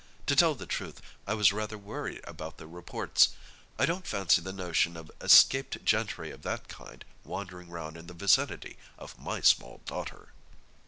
To tell the truth, I was rather worried at the reports—I don't fancy the notion of escaped gentry of that kind wandering round in the vicinity of my small daughter."